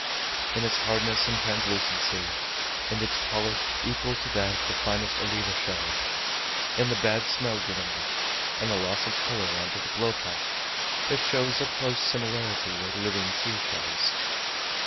In its hardness and translucency in its polish, equal to that of the finest oliva shell in the bad smell given out, and loss of colour under the blowpipe it shows a close similarity with living sea shells.